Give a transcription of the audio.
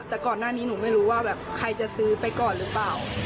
แต่ก่อนหน้านี้หนูไม่รู้ว่าแบบใครจะซื้อไปก่อนหรือเปล่า